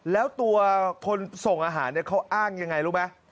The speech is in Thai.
แล้วตัวคนส่งอาหารเขาอ้างยังไงรู้ไหม